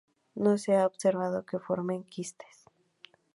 No se ha observado que formen quistes.